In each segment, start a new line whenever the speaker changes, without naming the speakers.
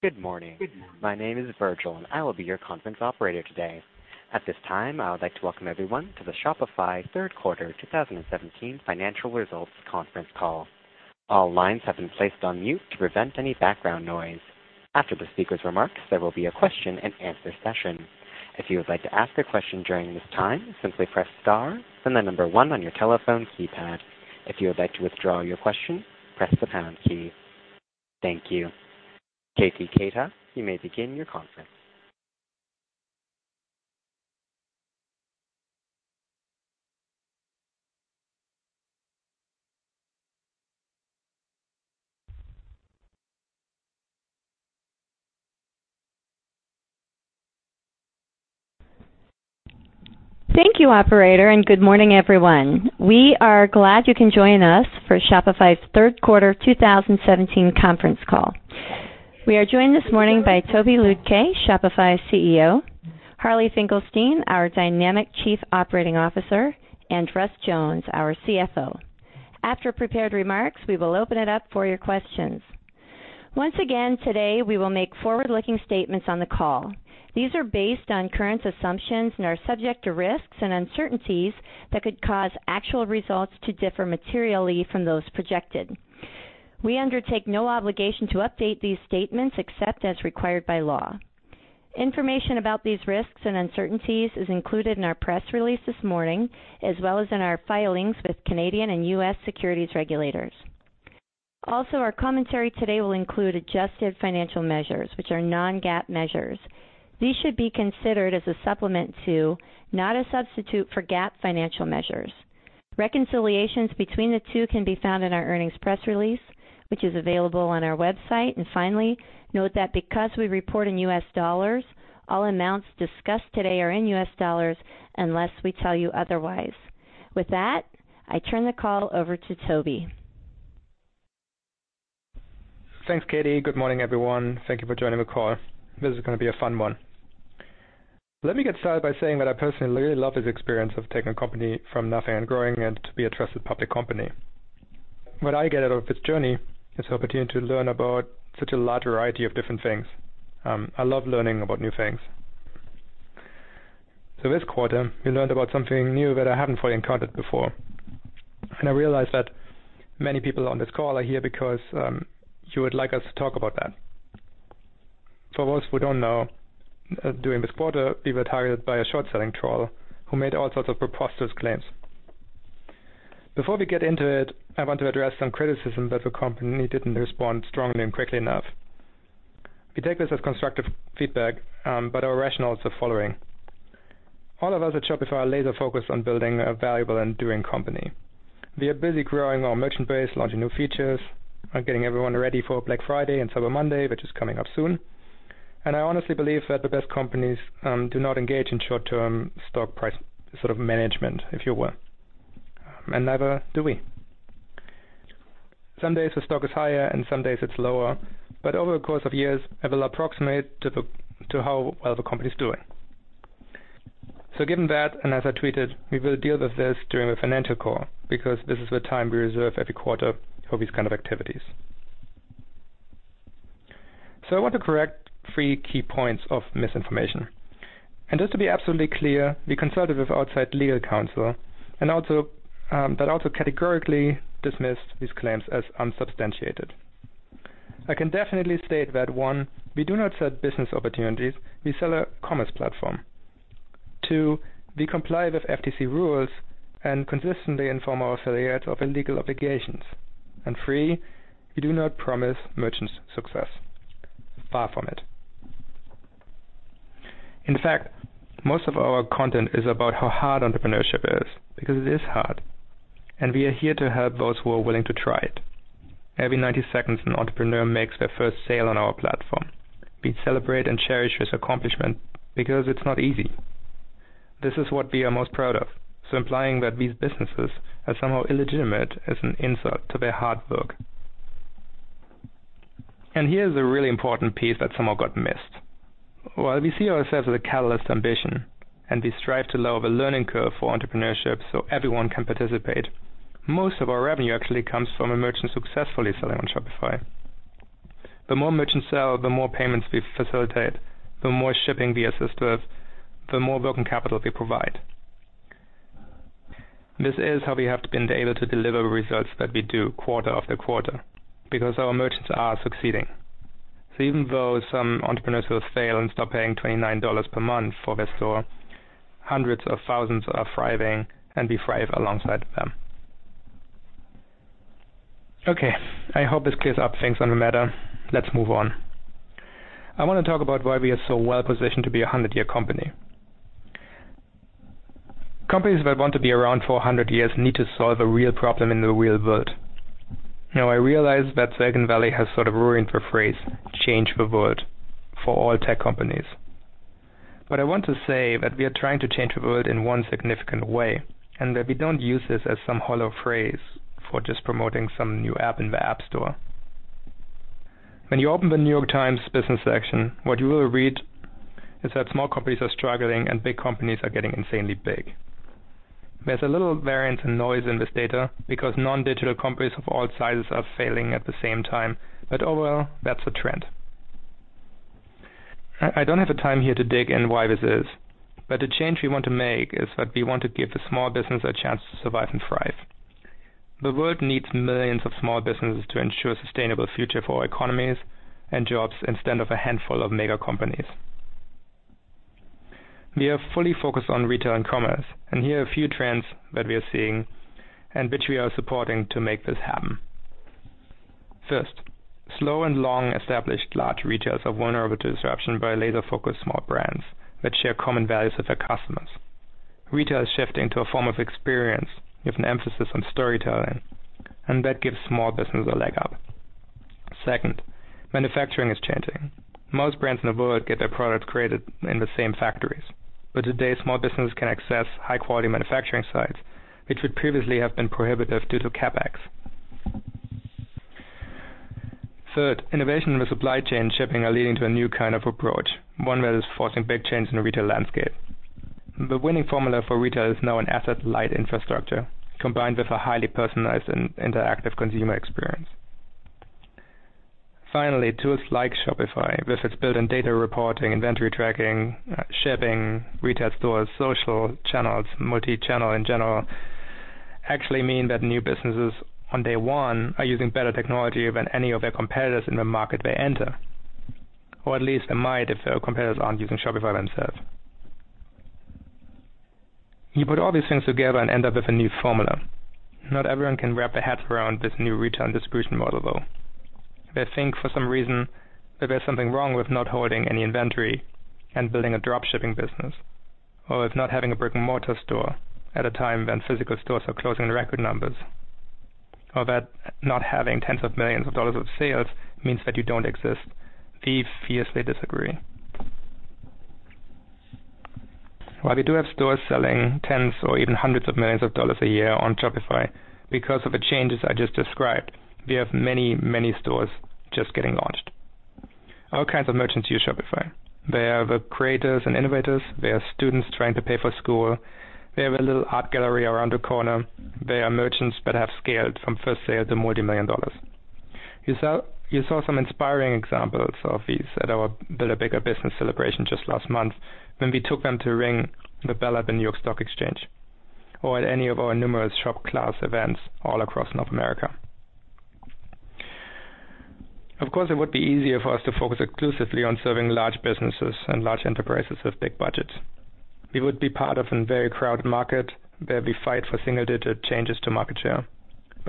Good morning. My name is Virgil. I will be your conference operator today. At this time, I would like to welcome everyone to the Shopify third quarter 2017 financial results conference call. All lines have been placed on mute to prevent any background noise. After the speaker's remarks, there will be a question-and-answer session. If you would like to ask a question during this time, simply press star, then the one on your telephone keypad. If you would like to withdraw your question, press the pound key. Thank you. Katie Keita, you may begin your conference.
Thank you, operator. Good morning, everyone. We are glad you can join us for Shopify's third quarter 2017 conference call. We are joined this morning by Tobi Lütke, Shopify's CEO, Harley Finkelstein, our dynamic Chief Operating Officer, and Russ Jones, our CFO. After prepared remarks, we will open it up for your questions. Once again, today, we will make forward-looking statements on the call. These are based on current assumptions and are subject to risks and uncertainties that could cause actual results to differ materially from those projected. We undertake no obligation to update these statements except as required by law. Information about these risks and uncertainties is included in our press release this morning, as well as in our filings with Canadian and U.S. securities regulators. Our commentary today will include adjusted financial measures, which are non-GAAP measures. These should be considered as a supplement to, not a substitute for, GAAP financial measures. Reconciliations between the two can be found in our earnings press release, which is available on our website. Finally, note that because we report in U.S. dollars, all amounts discussed today are in U.S. dollars unless we tell you otherwise. With that, I turn the call over to Tobi.
Thanks, Katie. Good morning, everyone. Thank you for joining the call. This is gonna be a fun one. Let me get started by saying that I personally really love this experience of taking a company from nothing and growing it to be a trusted public company. What I get out of this journey is the opportunity to learn about such a large variety of different things. I love learning about new things. This quarter, we learned about something new that I haven't fully encountered before. I realize that many people on this call are here because you would like us to talk about that. For those who don't know, during this quarter, we were targeted by a short selling troll who made all sorts of preposterous claims. Before we get into it, I want to address some criticism that the company didn't respond strongly and quickly enough. We take this as constructive feedback, but our rationale is the following. All of us at Shopify are laser-focused on building a valuable and enduring company. We are busy growing our merchant base, launching new features, and getting everyone ready for Black Friday and Cyber Monday, which is coming up soon. I honestly believe that the best companies do not engage in short-term stock price sort of management, if you will. Neither do we. Some days the stock is higher, and some days it's lower, but over the course of years, it will approximate to how well the company is doing. Given that, and as I tweeted, we will deal with this during the financial call because this is the time we reserve every quarter for these kind of activities. I want to correct three key points of misinformation. Just to be absolutely clear, we consulted with outside legal counsel and also that also categorically dismissed these claims as unsubstantiated. I can definitely state that, one, we do not sell business opportunities, we sell a commerce platform. Two, we comply with FTC rules and consistently inform our affiliates of their legal obligations. Three, we do not promise merchants success. Far from it. In fact, most of our content is about how hard entrepreneurship is because it is hard, and we are here to help those who are willing to try it. Every 90 seconds, an entrepreneur makes their first sale on our platform. We celebrate and cherish this accomplishment because it's not easy. This is what we are most proud of, so implying that these businesses are somehow illegitimate is an insult to their hard work. Here's a really important piece that somehow got missed. While we see ourselves as a catalyst ambition, and we strive to lower the learning curve for entrepreneurship so everyone can participate, most of our revenue actually comes from a merchant successfully selling on Shopify. The more merchants sell, the more payments we facilitate, the more shipping we assist with, the more working capital we provide. This is how we have been able to deliver results that we do quarter-after-quarter because our merchants are succeeding. Even though some entrepreneurs will fail and stop paying $29 per month for their store, hundreds of thousands are thriving, and we thrive alongside them. Okay, I hope this clears up things on the matter. Let's move on. I wanna talk about why we are so well positioned to be a 100-year company. Companies that want to be around for 100 years need to solve a real problem in the real world. Now, I realize that Silicon Valley has sort of ruined the phrase, change the world, for all tech companies. I want to say that we are trying to change the world in one significant way, and that we don't use this as some hollow phrase for just promoting some new app in the App Store. When you open The New York Times business section, what you will read is that small companies are struggling and big companies are getting insanely big. There's a little variance and noise in this data because non-digital companies of all sizes are failing at the same time. Overall, that's a trend. I don't have the time here to dig in why this is. The change we want to make is that we want to give the small business a chance to survive and thrive. The world needs millions of small businesses to ensure a sustainable future for our economies and jobs instead of a handful of mega companies. We are fully focused on retail and commerce. Here are a few trends that we are seeing and which we are supporting to make this happen. First, slow-and-long established large retailers are vulnerable to disruption by laser-focused small brands that share common values with their customers. Retail is shifting to a form of experience with an emphasis on storytelling, that gives small business a leg up. Second, manufacturing is changing. Most brands in the world get their products created in the same factories, today, small businesses can access high-quality manufacturing sites, which would previously have been prohibitive due to CapEx. Third, innovation in the supply chain and shipping are leading to a new kind of approach, one that is forcing big change in the retail landscape. The winning formula for retail is now an asset-light infrastructure combined with a highly personalized and interactive consumer experience. Finally, tools like Shopify, with its built-in data reporting, inventory tracking, shipping, retail stores, social channels, multi-channel in general, actually mean that new businesses on day one are using better technology than any of their competitors in the market they enter. Or at least they might if their competitors aren't using Shopify themselves. You put all these things together and end up with a new formula. Not everyone can wrap their heads around this new retail distribution model, though. They think, for some reason, that there's something wrong with not holding any inventory and building a drop-shipping business, or with not having a brick-and-mortar store at a time when physical stores are closing in record numbers, or that not having tens of millions of dollars of sales means that you don't exist. We fiercely disagree. While we do have stores selling tens or even hundreds of millions of dollars a year on Shopify, because of the changes I just described, we have many stores just getting launched. All kinds of merchants use Shopify. They are the creators and innovators. They are students trying to pay for school. They have a little art gallery around the corner. They are merchants that have scaled from first sale to multi-million dollars. You saw some inspiring examples of these at our Build a Bigger Business celebration just last month when we took them to ring the bell at the New York Stock Exchange or at any of our numerous Shop Class events all across North America. Of course, it would be easier for us to focus exclusively on serving large businesses and large enterprises with big budgets. We would be part of a very crowded market where we fight for single-digit changes to market share.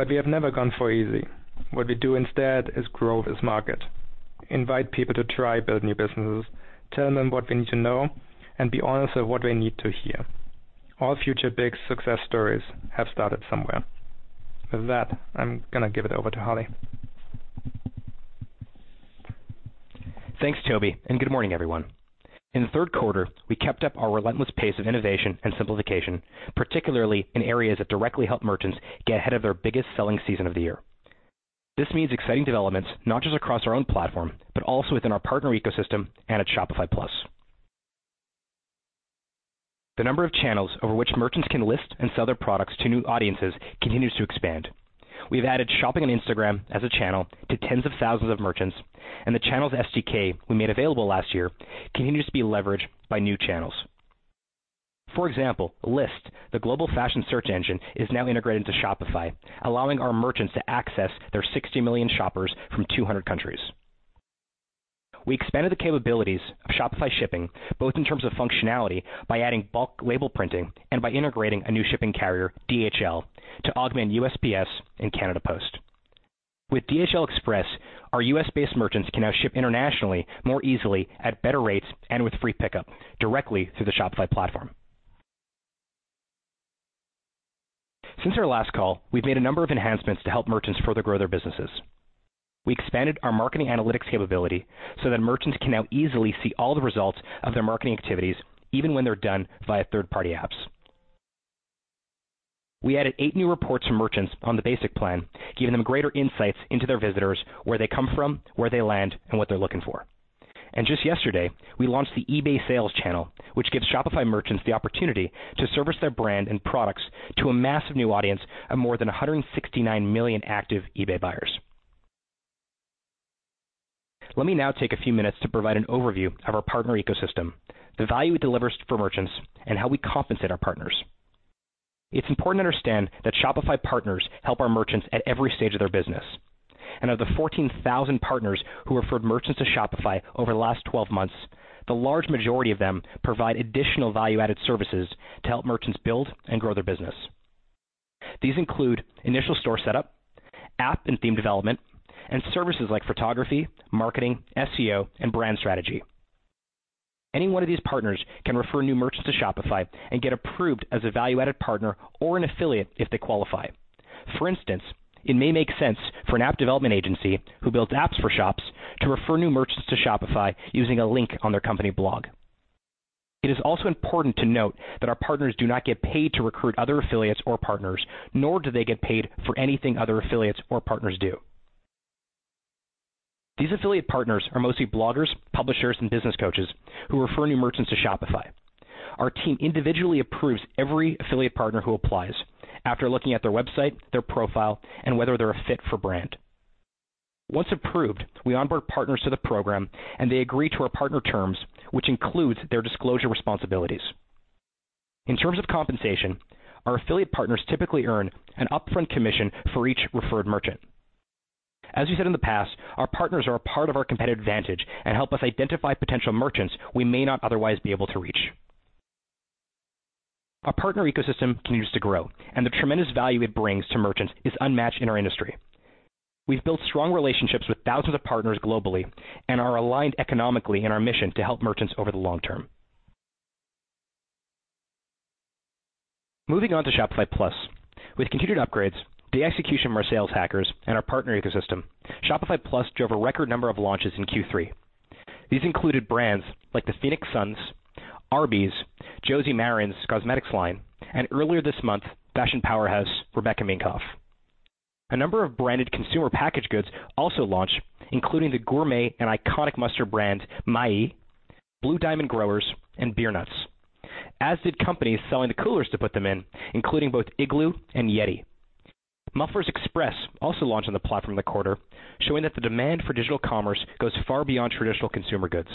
We have never gone for easy. What we do instead is grow this market, invite people to try build new businesses, tell them what they need to know, and be honest with what they need to hear. All future big success stories have started somewhere. With that, I'm gonna give it over to Harley.
Thanks, Tobi, and good morning, everyone. In the third quarter, we kept up our relentless pace of innovation and simplification, particularly in areas that directly help merchants get ahead of their biggest selling season of the year. This means exciting developments, not just across our own platform, but also within our partner ecosystem and at Shopify Plus. The number of channels over which merchants can list and sell their products to new audiences continues to expand. We've added shopping on Instagram as a channel to tens of thousands of merchants, and the channels SDK we made available last year continues to be leveraged by new channels. For example, Lyst, the global fashion search engine, is now integrated into Shopify, allowing our merchants to access their 60 million shoppers from 200 countries. We expanded the capabilities of Shopify Shipping, both in terms of functionality by adding bulk label printing and by integrating a new shipping carrier, DHL, to augment USPS and Canada Post. With DHL Express, our U.S.-based merchants can now ship internationally more easily at better rates and with free pickup directly through the Shopify platform. Since our last call, we've made a number of enhancements to help merchants further grow their businesses. We expanded our marketing analytics capability so that merchants can now easily see all the results of their marketing activities, even when they're done via third-party apps. We added eight new reports for merchants on the basic plan, giving them greater insights into their visitors, where they come from, where they land, and what they're looking for. Just yesterday, we launched the eBay sales channel, which gives Shopify merchants the opportunity to service their brand and products to a massive new audience of more than 169 million active eBay buyers. Let me now take a few minutes to provide an overview of our partner ecosystem, the value it delivers for merchants, and how we compensate our partners. It's important to understand that Shopify partners help our merchants at every stage of their business. Of the 14,000 partners who referred merchants to Shopify over the last 12 months, the large majority of them provide additional value-added services to help merchants build and grow their business. These include initial store setup, app and theme development, and services like photography, marketing, SEO, and brand strategy. Any one of these partners can refer new merchants to Shopify and get approved as a value-added partner or an affiliate if they qualify. For instance, it may make sense for an app development agency who builds apps for shops to refer new merchants to Shopify using a link on their company blog. It is also important to note that our partners do not get paid to recruit other affiliates or partners, nor do they get paid for anything other affiliates or partners do. These affiliate partners are mostly bloggers, publishers, and business coaches who refer new merchants to Shopify. Our team individually approves every affiliate partner who applies after looking at their website, their profile, and whether they're a fit for brand. Once approved, we onboard partners to the program and they agree to our partner terms, which includes their disclosure responsibilities. In terms of compensation, our affiliate partners typically earn an upfront commission for each referred merchant. As we said in the past, our partners are a part of our competitive advantage and help us identify potential merchants we may not otherwise be able to reach. Our partner ecosystem continues to grow and the tremendous value it brings to merchants is unmatched in our industry. We've built strong relationships with thousands of partners globally and are aligned economically in our mission to help merchants over the long term. Moving on to Shopify Plus. With continued upgrades, the execution of our sales hackers and our partner ecosystem, Shopify Plus drove a record number of launches in Q3. These included brands like the Phoenix Suns, Arby's, Josie Maran Cosmetics, and earlier this month, fashion powerhouse Rebecca Minkoff. A number of branded consumer packaged goods also launched, including the gourmet and iconic mustard brand, Maille, Blue Diamond Growers and BEER NUTS, as did companies selling the coolers to put them in, including both Igloo and YETI. Muffler Express also launched on the platform in the quarter, showing that the demand for digital commerce goes far beyond traditional consumer goods.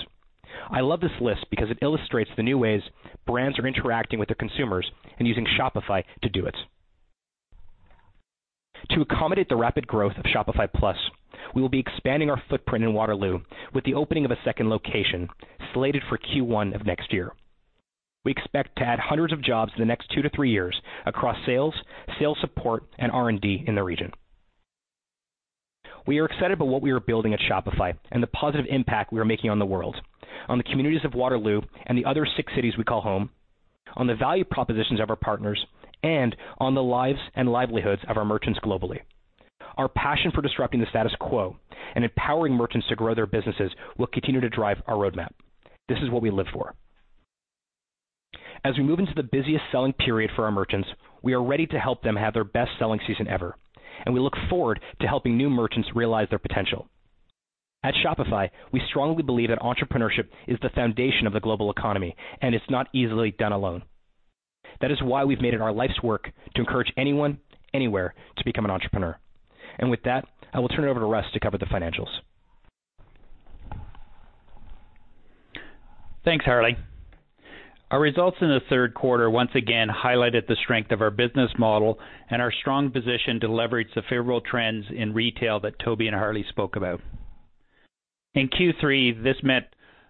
I love this list because it illustrates the new ways brands are interacting with their consumers and using Shopify to do it. To accommodate the rapid growth of Shopify Plus, we will be expanding our footprint in Waterloo with the opening of a second location slated for Q1 of next year. We expect to add hundreds of jobs in the next two to three years across sales support, and R&D in the region. We are excited about what we are building at Shopify and the positive impact we are making on the world, on the communities of Waterloo and the other six cities we call home, on the value propositions of our partners, and on the lives and livelihoods of our merchants globally. Our passion for disrupting the status quo and empowering merchants to grow their businesses will continue to drive our roadmap. This is what we live for. As we move into the busiest selling period for our merchants, we are ready to help them have their best selling season ever, and we look forward to helping new merchants realize their potential. At Shopify, we strongly believe that entrepreneurship is the foundation of the global economy, and it's not easily done alone. That is why we've made it our life's work to encourage anyone, anywhere to become an entrepreneur. With that, I will turn it over to Russ to cover the financials.
Thanks, Harley. Our results in the third quarter once again highlighted the strength of our business model and our strong position to leverage the favorable trends in retail that Tobi and Harley spoke about. In Q3, this meant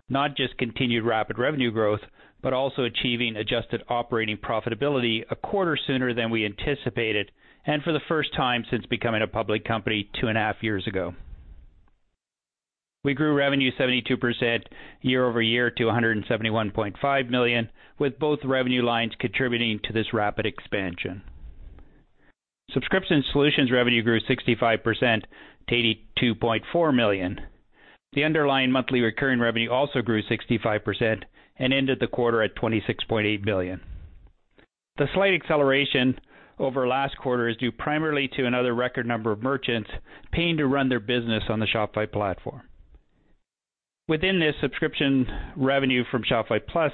not just continued rapid revenue growth, but also achieving adjusted operating profitability a quarter sooner than we anticipated and for the first time since becoming a public company two and a half years ago. We grew revenue 72% year-over-year to $171.5 million, with both revenue lines contributing to this rapid expansion. Subscription solutions revenue grew 65% to $82.4 million. The underlying monthly recurring revenue also grew 65% and ended the quarter at $26.8 billion. The slight acceleration over last quarter is due primarily to another record number of merchants paying to run their business on the Shopify platform. Within this subscription revenue from Shopify Plus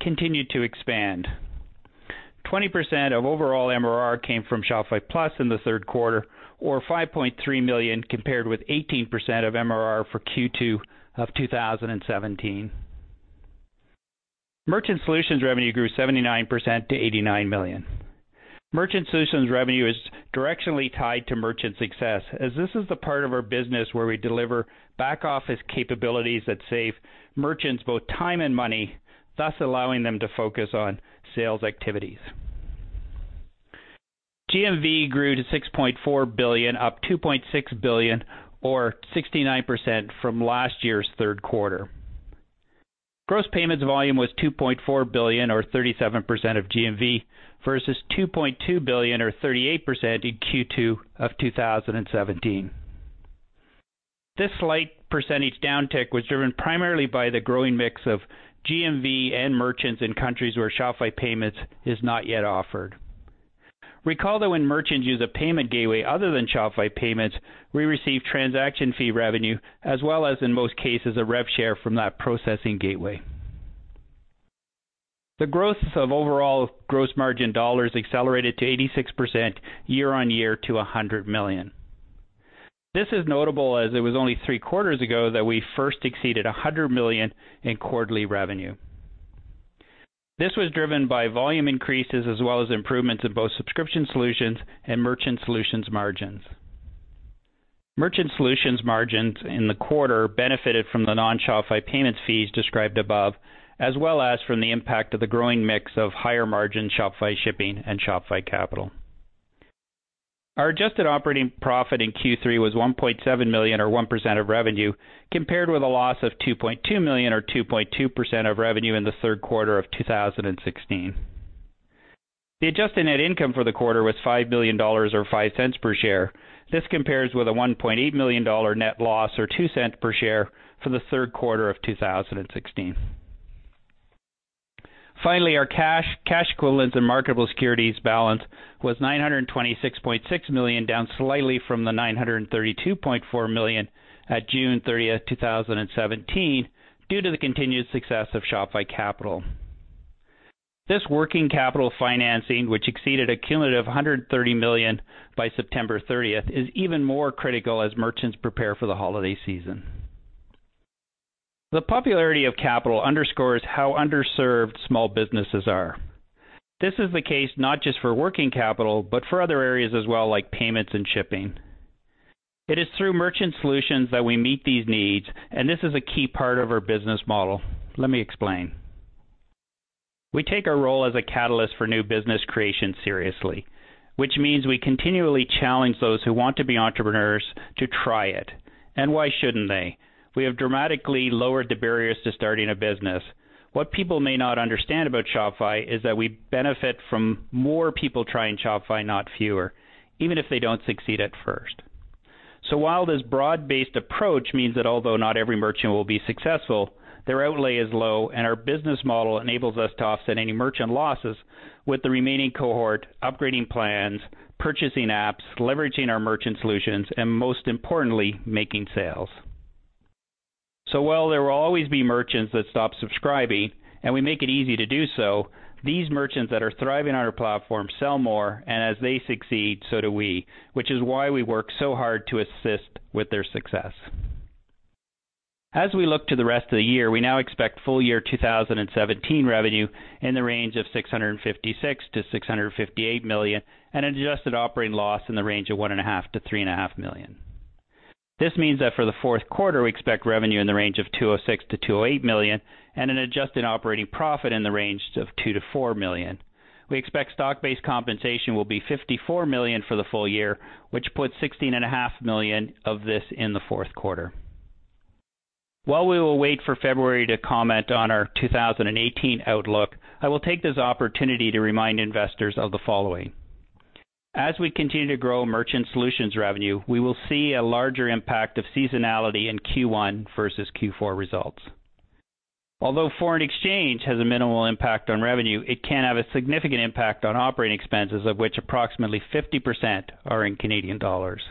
continued to expand. 20% of overall MRR came from Shopify Plus in the third quarter, or $5.3 million compared with 18% of MRR for Q2 of 2017. Merchant Solutions revenue grew 79% to $89 million. Merchant Solutions revenue is directionally tied to merchant success as this is the part of our business where we deliver back office capabilities that save merchants both time and money, thus allowing them to focus on sales activities. GMV grew to $6.4 billion, up $2.6 billion or 69% from last year's third quarter. Gross payments volume was $2.4 billion or 37% of GMV versus $2.2 billion or 38% in Q2 of 2017. This slight percentage downtick was driven primarily by the growing mix of GMV and merchants in countries where Shopify Payments is not yet offered. Recall that when merchants use a payment gateway other than Shopify Payments, we receive transaction fee revenue as well as, in most cases, a rev share from that processing gateway. The growth of overall gross margin dollars accelerated to 86% year-over-year to $100 million. This is notable as it was only three quarters ago that we first exceeded $100 million in quarterly revenue. This was driven by volume increases as well as improvements in both subscription solutions and merchant solutions margins. Merchant solutions margins in the quarter benefited from the non-Shopify Payments fees described above, as well as from the impact of the growing mix of higher margin Shopify Shipping and Shopify Capital. Our adjusted operating profit in Q3 was $1.7 million or 1% of revenue, compared with a loss of $2.2 million or 2.2% of revenue in the third quarter of 2016. The adjusted net income for the quarter was $5 million or $0.05 per share. This compares with a $1.8 million net loss or $0.02 per share for the third quarter of 2016. Our cash equivalents and marketable securities balance was $926.6 million, down slightly from the $932.4 million at June 30th, 2017 due to the continued success of Shopify Capital. This working capital financing, which exceeded a cumulative $130 million by September 30th, is even more critical as merchants prepare for the holiday season. The popularity of Shopify Capital underscores how underserved small businesses are. This is the case not just for working capital, but for other areas as well, like payments and shipping. It is through merchant solutions that we meet these needs, and this is a key part of our business model. Let me explain. We take our role as a catalyst for new business creation seriously, which means we continually challenge those who want to be entrepreneurs to try it. Why shouldn't they? We have dramatically lowered the barriers to starting a business. What people may not understand about Shopify is that we benefit from more people trying Shopify, not fewer, even if they don't succeed at first. While this broad-based approach means that although not every merchant will be successful, their outlay is low, and our business model enables us to offset any merchant losses with the remaining cohort, upgrading plans, purchasing apps, leveraging our merchant solutions, and most importantly, making sales. While there will always be merchants that stop subscribing, and we make it easy to do so, these merchants that are thriving on our platform sell more, and as they succeed, so do we, which is why we work so hard to assist with their success. As we look to the rest of the year, we now expect full year 2017 revenue in the range of $656 million-$658 million and adjusted operating loss in the range of $1.5 million-$3.5 million. This means that for the fourth quarter, we expect revenue in the range of $206 million-$208 million and an adjusted operating profit in the range of $2 million-$4 million. We expect stock-based compensation will be $54 million for the full year, which puts $16.5 million of this in the fourth quarter. While we will wait for February to comment on our 2018 outlook, I will take this opportunity to remind investors of the following. As we continue to grow merchant solutions revenue, we will see a larger impact of seasonality in Q1 versus Q4 results. Although foreign exchange has a minimal impact on revenue, it can have a significant impact on operating expenses, of which approximately 50% are in Canadian dollars.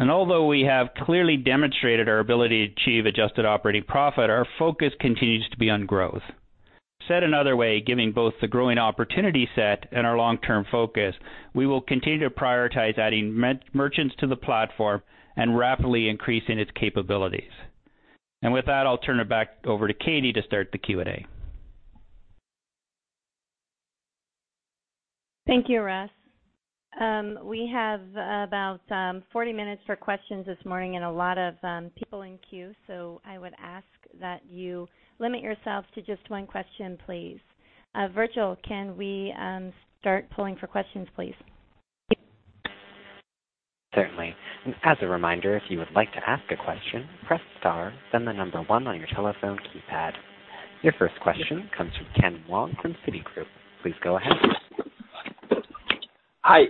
Although we have clearly demonstrated our ability to achieve adjusted operating profit, our focus continues to be on growth. Said another way, given both the growing opportunity set and our long-term focus, we will continue to prioritize adding merchants to the platform and rapidly increasing its capabilities. With that, I'll turn it back over to Katie to start the Q&A.
Thank you, Russ. We have about 40 minutes for questions this morning and a lot of people in queue. I would ask that you limit yourselves to just one question, please. Virgil, can we start pulling for questions, please?
Certainly. As a reminder, if you would like to ask a question, press star, then the number one on your telephone keypad. Your first question comes from Ken Wong from Citigroup. Please go ahead.
Hi.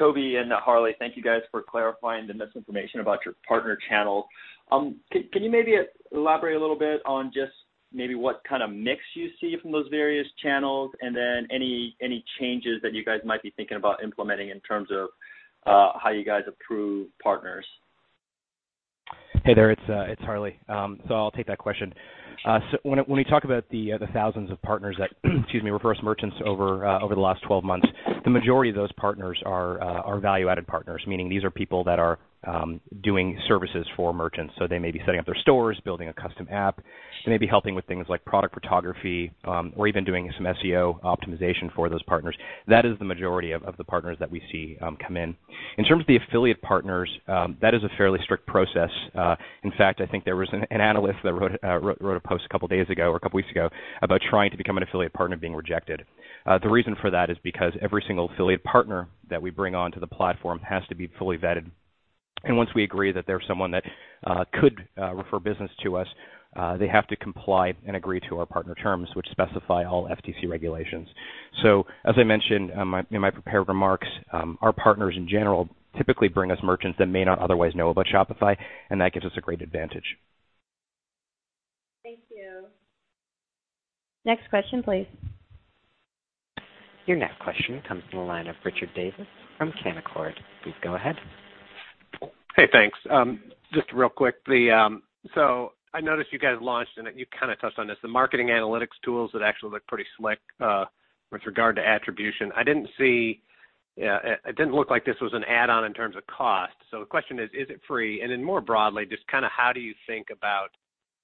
Tobi and Harley, thank you guys for clarifying the misinformation about your partner channel. Can you maybe elaborate a little bit on just maybe what kinda mix you see from those various channels and then any changes that you guys might be thinking about implementing in terms of how you guys approve partners?
Hey there, it's Harley. I'll take that question. When you talk about the thousands of partners that excuse me, refers merchants over 12 months, the majority of those partners are value-added partners, meaning these are people that are doing services for merchants. They may be setting up their stores, building a custom app. They may be helping with things like product photography, or even doing some SEO optimization for those partners. That is the majority of the partners that we see come in. In terms of the affiliate partners, that is a fairly strict process. In fact, I think there was an analyst that wrote a post a couple of days ago or a couple of weeks ago about trying to become an affiliate partner being rejected. The reason for that is because every single affiliate partner that we bring onto the platform has to be fully vetted. Once we agree that they're someone that could refer business to us, they have to comply and agree to our partner terms, which specify all FTC regulations. As I mentioned, in my prepared remarks, our partners in general typically bring us merchants that may not otherwise know about Shopify, and that gives us a great advantage.
Thank you. Next question, please.
Your next question comes from the line of Richard Davis from Canaccord. Please go ahead.
Hey, thanks. Just real quick. The, I noticed you guys launched, and you kinda touched on this, the marketing analytics tools that actually look pretty slick with regard to attribution. I didn't see, it didn't look like this was an add-on in terms of cost. The question is it free? Then more broadly, just kinda how do you think about,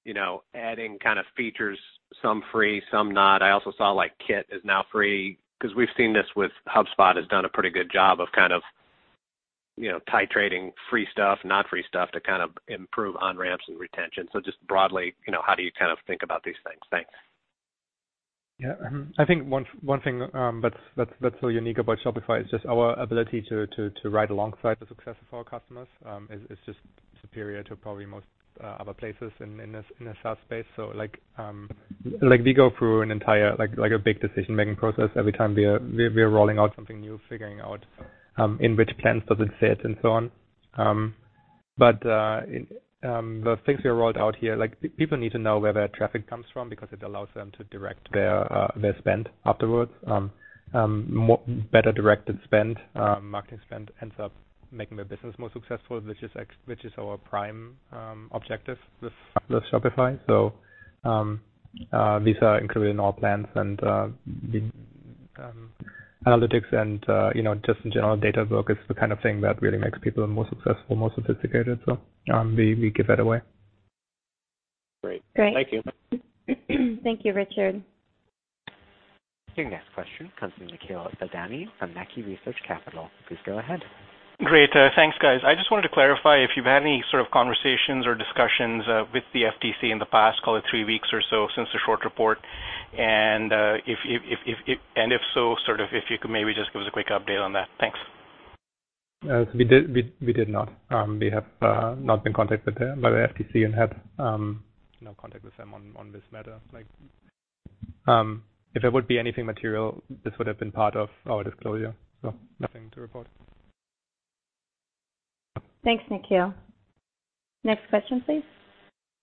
you know, adding kinda features, some free, some not? I also saw, like, Kit is now free. 'Cause we've seen this with HubSpot has done a pretty good job of kind of, you know, titrating free stuff, not free stuff to kind of improve on-ramps and retention. Just broadly, you know, how do you kind of think about these things? Thanks.
Yeah. I think one thing that's so unique about Shopify is just our ability to ride alongside the success of our customers, is just. Superior to probably most other places in the SaaS space. Like we go through an entire like a big decision-making process every time we are rolling out something new, figuring out in which plans does it fit and so on. The things we rolled out here, like people need to know where their traffic comes from because it allows them to direct their their spend afterwards. Better directed spend, marketing spend ends up making their business more successful, which is our prime objective with Shopify. These are included in all plans and the analytics and, you know, just in general data work is the kind of thing that really makes people more successful, more sophisticated. We give that away.
Great. Great. Thank you.
Thank you, Richard.
Your next question comes from Nikhil Thadani from Mackie Research Capital. Please go ahead.
Great. thanks, guys. I just wanted to clarify if you've had any sort of conversations or discussions, with the FTC in the past, call it three weeks or so since the short report. If so, sort of if you could maybe just give us a quick update on that. Thanks.
We did not. We have not been contacted by the FTC and had no contact with them on this matter. Like, if it would be anything material, this would have been part of our disclosure. Nothing to report.
Thanks, Nikhil. Next question, please.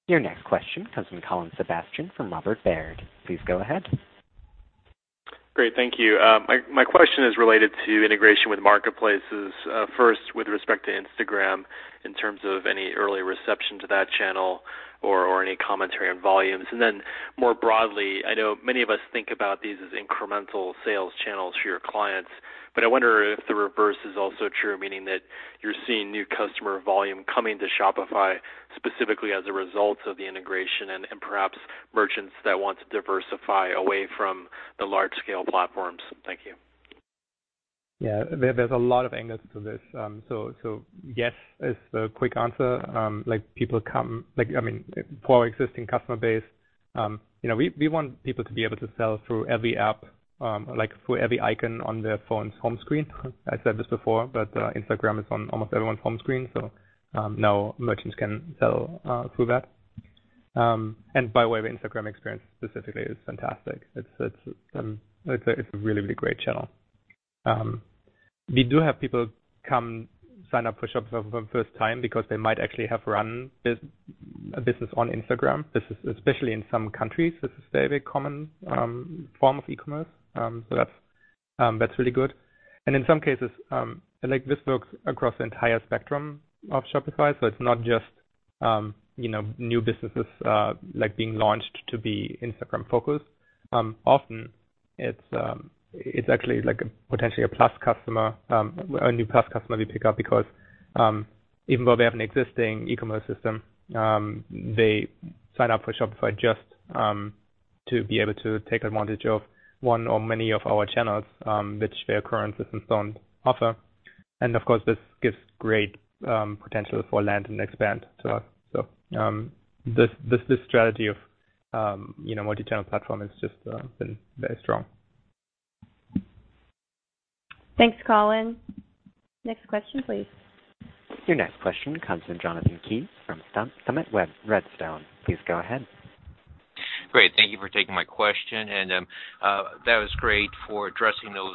Your next question comes from Colin Sebastian from Robert Baird. Please go ahead.
Great. Thank you. My question is related to integration with marketplaces. First with respect to Instagram in terms of any early reception to that channel or any commentary on volumes. More broadly, I know many of us think about these as incremental sales channels for your clients, but I wonder if the reverse is also true, meaning that you're seeing new customer volume coming to Shopify specifically as a result of the integration and perhaps merchants that want to diversify away from the large scale platforms. Thank you.
There, there's a lot of angles to this. Yes, is the quick answer. Like people come like, I mean, for our existing customer base, you know, we want people to be able to sell through every app, like through every icon on their phone's home screen. I said this before, Instagram is on almost everyone's home screen. Now merchants can sell through that. By the way, the Instagram experience specifically is fantastic. It's a really great channel. We do have people come sign up for Shopify for first time because they might actually have run a business on Instagram. This is especially in some countries, this is a very common form of e-commerce. That's really good. In some cases, like this works across the entire spectrum of Shopify, so it's not just, you know, new businesses, like being launched to be Instagram focused. Often it's actually like a potentially a Plus customer, a new Plus customer we pick up because, even though they have an existing e-commerce system, they sign up for Shopify just to be able to take advantage of one or many of our channels, which their current systems don't offer. Of course, this gives great potential for land and expand. This strategy of, you know, multi-channel platform has just been very strong.
Thanks, Colin. Next question, please.
Your next question comes from Jonathan Kees from Summit Redstone. Please go ahead.
Great. Thank you for taking my question. That was great for addressing those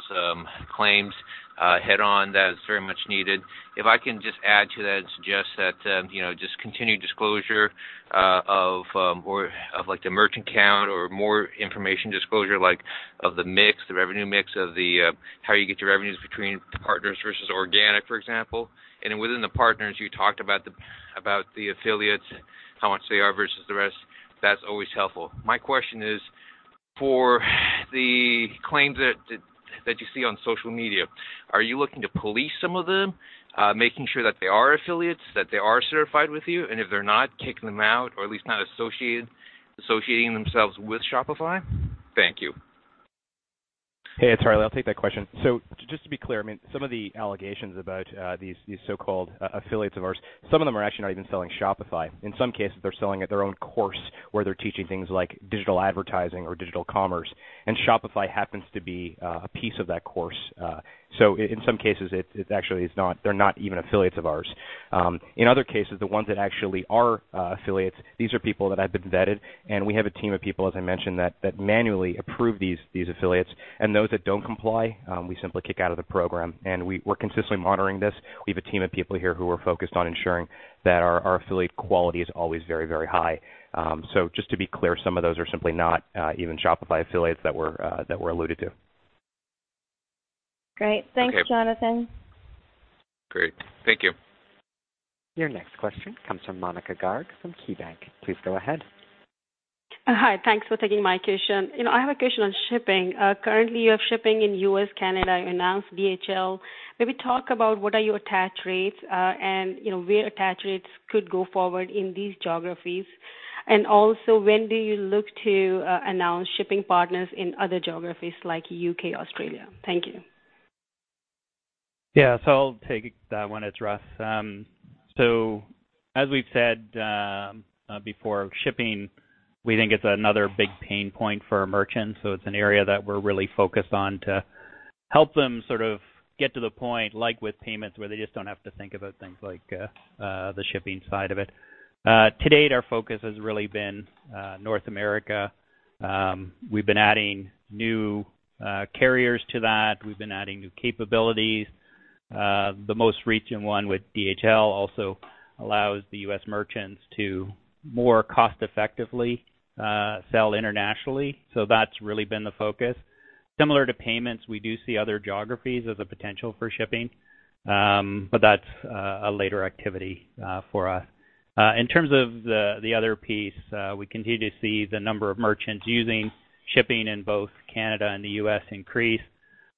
claims head on. That is very much needed. If I can just add to that and suggest that, you know, just continued disclosure of or of like the merchant count or more information disclosure like of the mix, the revenue mix of the how you get your revenues between partners versus organic, for example. Within the partners, you talked about the affiliates, how much they are versus the rest. That's always helpful. My question is for the claims that you see on social media, are you looking to police some of them, making sure that they are affiliates, that they are certified with you, and if they're not, kicking them out or at least not associating themselves with Shopify? Thank you.
Hey, it's Harley. I'll take that question. Just to be clear, I mean, some of the allegations about these so-called affiliates of ours, some of them are actually not even selling Shopify. In some cases, they're selling their own course where they're teaching things like digital advertising or digital commerce, and Shopify happens to be a piece of that course. In some cases, it actually is not, they're not even affiliates of ours. In other cases, the ones that actually are affiliates, these are people that have been vetted, and we have a team of people, as I mentioned, that manually approve these affiliates. Those that don't comply, we simply kick out of the program. We're consistently monitoring this. We have a team of people here who are focused on ensuring that our affiliate quality is always very, very high. Just to be clear, some of those are simply not even Shopify affiliates that were that were alluded to.
Great.
Okay.
Thanks, Jonathan.
Great. Thank you.
Your next question comes from Monika Garg from KeyBanc. Please go ahead.
Hi. Thanks for taking my question. You know, I have a question on shipping. Currently, you have shipping in U.S., Canada, you announced DHL. Maybe talk about what are your attach rates, and, you know, where attach rates could go forward in these geographies. Also, when do you look to announce shipping partners in other geographies like U.K., Australia? Thank you.
Yeah. I'll take that one. It's Russ. As we've said, before shipping, we think it's another big pain point for merchants, so it's an area that we're really focused on to. Help them sort of get to the point, like with payments, where they just don't have to think about things like the shipping side of it. To date, our focus has really been North America. We've been adding new carriers to that. We've been adding new capabilities. The most recent one with DHL also allows the U.S. merchants to more cost effectively sell internationally. That's really been the focus. Similar to payments, we do see other geographies as a potential for shipping, but that's a later activity for us. In terms of the other piece, we continue to see the number of merchants using shipping in both Canada and the U.S. increase.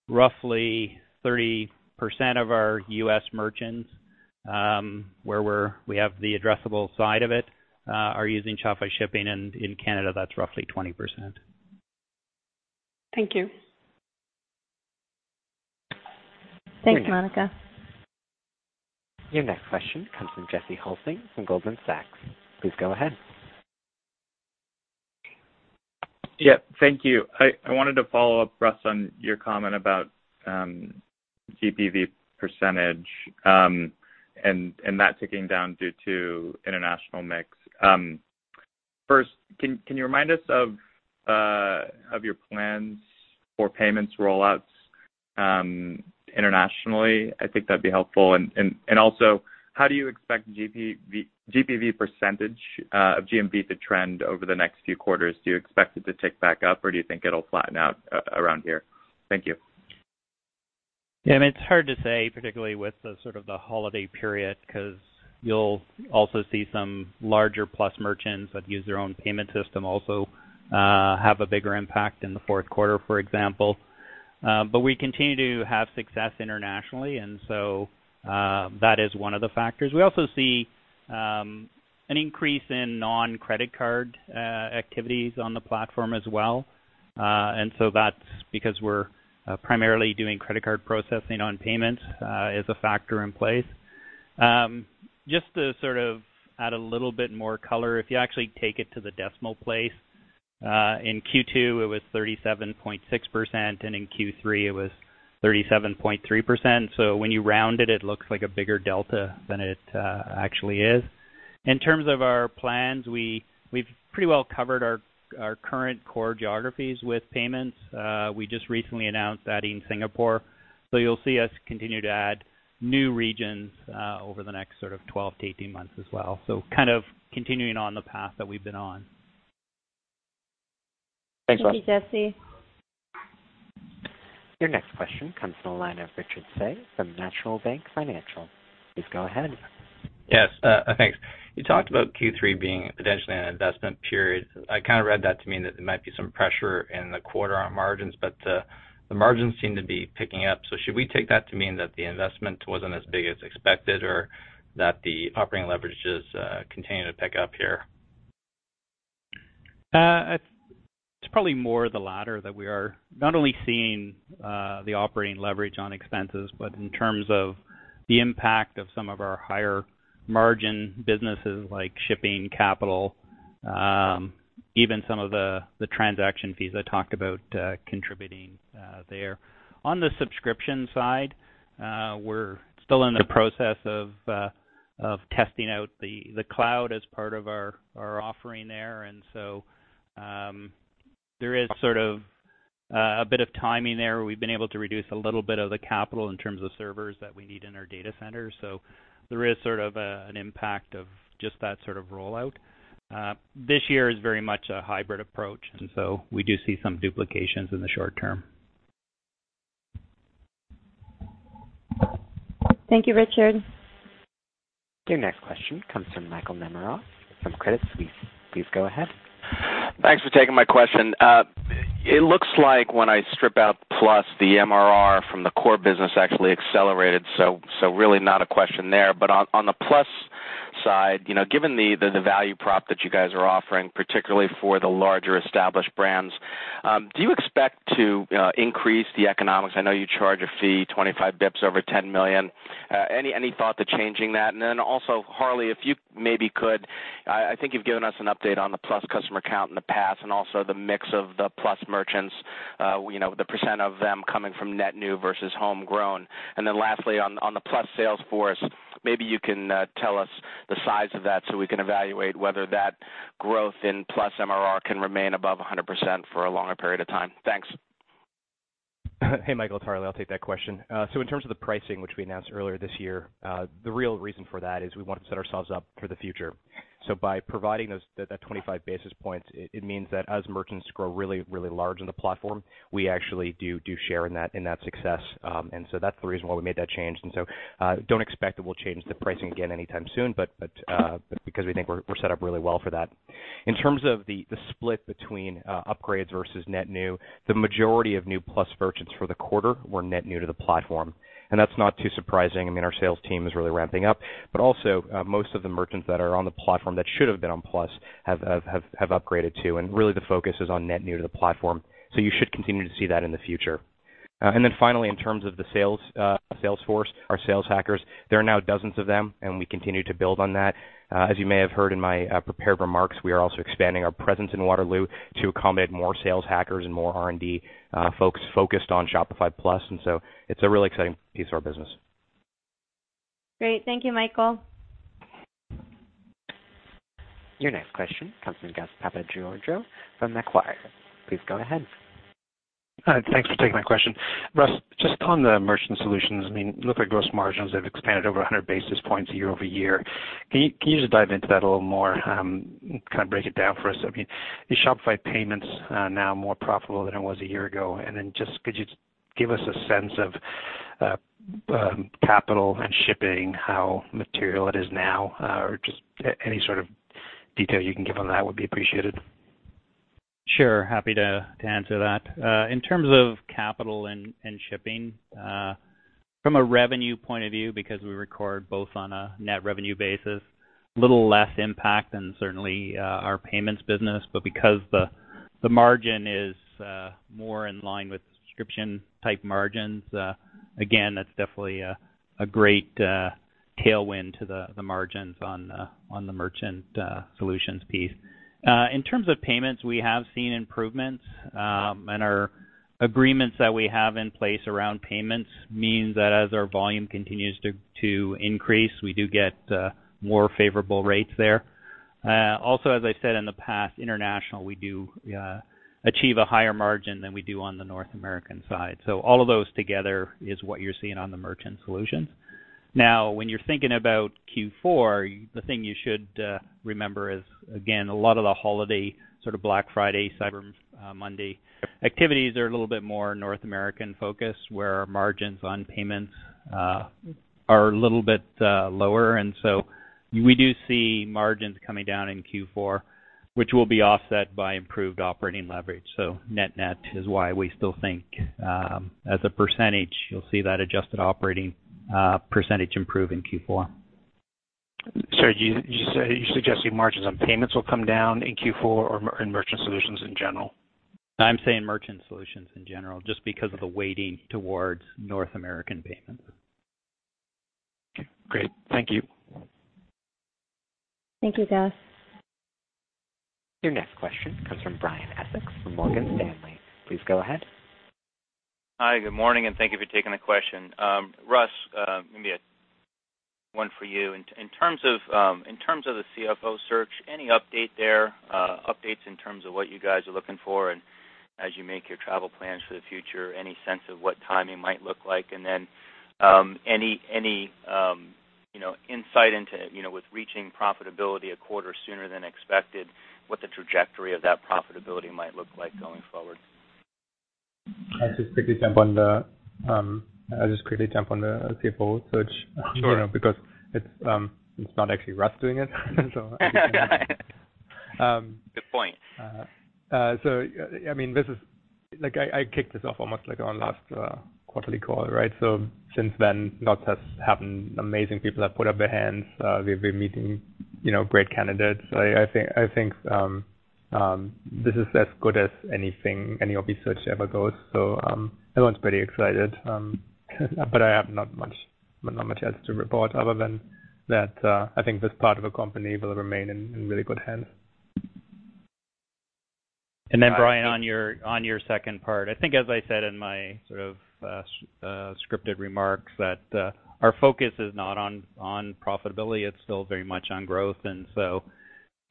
Roughly 30% of our U.S. merchants, where we have the addressable side of it, are using Shopify Shipping, and in Canada, that's roughly 20%.
Thank you.
Thanks, Monika.
Your next question comes from Jesse Hulsing from Goldman Sachs. Please go ahead.
Thank you. I wanted to follow up, Russ, on your comment about GPV percentage, and that ticking down due to international mix. First, can you remind us of your plans for payments rollouts internationally? I think that'd be helpful. Also, how do you expect GPV percentage of GMV to trend over the next few quarters? Do you expect it to tick back up, or do you think it'll flatten out around here? Thank you.
Yeah, I mean, it's hard to say, particularly with the sort of the holiday period, 'cause you'll also see some larger Plus merchants that use their own payment system also have a bigger impact in the fourth quarter, for example. We continue to have success internationally, that is one of the factors. We also see an increase in non-credit card activities on the platform as well. That's because we're primarily doing credit card processing on payments is a factor in place. Just to sort of add a little bit more color, if you actually take it to the decimal place, in Q2, it was 37.6%, in Q3, it was 37.3%. When you round it looks like a bigger delta than it actually is. In terms of our plans, we've pretty well covered our current core geographies with payments. We just recently announced adding Singapore. You'll see us continue to add new regions over the next sort of 12-18 months as well. Kind of continuing on the path that we've been on.
Thanks, Russ.
Thank you, Jesse.
Your next question comes from the line of Richard Tse from National Bank Financial. Please go ahead.
Yes, thanks. You talked about Q3 being potentially an investment period. I kind of read that to mean that there might be some pressure in the quarter on margins, but the margins seem to be picking up. Should we take that to mean that the investment wasn't as big as expected or that the operating leverages continue to pick up here?
It's, it's probably more the latter that we are not only seeing the operating leverage on expenses, but in terms of the impact of some of our higher margin businesses like Shopify Capital, even some of the transaction fees I talked about, contributing there. On the subscription side, we're still in the process of testing out the cloud as part of our offering there. There is sort of a bit of timing there. We've been able to reduce a little bit of the capital in terms of servers that we need in our data center. There is sort of a, an impact of just that sort of rollout. This year is very much a hybrid approach, and so we do see some duplications in the short term.
Thank you, Richard.
Your next question comes from Michael Nemeroff from Credit Suisse. Please go ahead.
Thanks for taking my question. It looks like when I strip out Plus, the MRR from the core business actually accelerated, really not a question there. On the Plus side, you know, given the value prop that you guys are offering, particularly for the larger established brands, do you expect to increase the economics? I know you charge a fee 25 basis points over $10 million. Any thought to changing that? Also, Harley, if you maybe could, I think you've given us an update on the Plus customer count in the past and also the mix of the Plus merchants, you know, the percentage of them coming from net new versus homegrown. Lastly, on the Plus sales force, maybe you can tell us the size of that so we can evaluate whether that growth in Plus MRR can remain above 100% for a longer period of time. Thanks.
Hey, Michael. It's Harley. I'll take that question. In terms of the pricing, which we announced earlier this year, the real reason for that is we want to set ourselves up for the future. By providing those 25 basis points, it means that as merchants grow really, really large in the platform, we actually do share in that success. That's the reason why we made that change. Don't expect that we'll change the pricing again anytime soon, but because we think we're set up really well for that. In terms of the split between upgrades versus net new, the majority of new Plus merchants for the quarter were net new to the platform. That's not too surprising. I mean, our sales team is really ramping up. Also, most of the merchants that are on the platform that should have been on Plus have upgraded too, and really the focus is on net new to the platform. You should continue to see that in the future. Then finally, in terms of the sales force, our sales hackers, there are now dozens of them, and we continue to build on that. As you may have heard in my prepared remarks, we are also expanding our presence in Waterloo to accommodate more sales hackers and more R&D folks focused on Shopify Plus. It's a really exciting piece of our business.
Great. Thank you, Michael.
Your next question comes from Gus Papageorgiou from Macquarie. Please go ahead.
Thanks for taking my question. Russ, just on the merchant solutions, I mean, look at gross margins have expanded over 100 basis points year-over-year. Can you just dive into that a little more, kind of break it down for us? I mean, is Shopify Payments now more profitable than it was a year ago? Just could you give us a sense of Capital and Shipping, how material it is now, or just any sort of detail you can give on that would be appreciated.
Sure. Happy to answer that. In terms of capital and shipping, from a revenue point of view, because we record both on a net revenue basis, little less impact than certainly our payments business. Because the margin is more in line with subscription type margins, again, that's definitely a great tailwind to the margins on the merchant solutions piece. In terms of payments, we have seen improvements, and our agreements that we have in place around payments means that as our volume continues to increase, we do get more favorable rates there. Also, as I said in the past, international, we do achieve a higher margin than we do on the North American side. All of those together is what you're seeing on the merchant solutions. When you're thinking about Q4, the thing you should remember is, again, a lot of the holiday, sort of Black Friday, Cyber Monday activities are a little bit more North American-focused, where our margins on payments are a little bit lower. We do see margins coming down in Q4, which will be offset by improved operating leverage. Net-net is why we still think, as a percentage, you'll see that adjusted operating percentage improve in Q4.
You suggesting margins on payments will come down in Q4 or merchant solutions in general?
I'm saying merchant solutions in general, just because of the weighting towards North American payments.
Okay. Great. Thank you.
Thank you, Gus.
Your next question comes from Brian Essex from Morgan Stanley. Please go ahead.
Hi, good morning, and thank you for taking the question. Russ, maybe a one for you. In terms of the CFO search, any update there, updates in terms of what you guys are looking for and as you make your travel plans for the future, any sense of what timing might look like? Any, you know, insight into, with reaching profitability a quarter sooner than expected, what the trajectory of that profitability might look like going forward?
I'll just quickly jump on the CFO search.
Sure.
You know, because it's not actually Russ doing it.
Good point.
I mean, this is, like, I kicked this off almost, like, on last quarterly call, right? Since then, lots has happened. Amazing people have put up their hands. We've been meeting, you know, great candidates. I think this is as good as anything, any CFO search ever goes. Everyone's pretty excited. I have not much, not much else to report other than that, I think this part of the company will remain in really good hands.
Brian, on your second part, I think as I said in my sort of scripted remarks that our focus is not on profitability, it's still very much on growth.